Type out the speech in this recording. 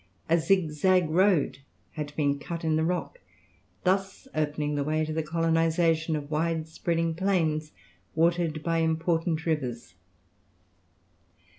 A zigzag road has been cut in the rock, thus opening the way to the colonization of wide spreading plains watered by important rivers.